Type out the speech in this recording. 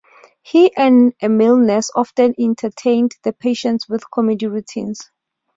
He and a male nurse often entertained the patients with comedy routines.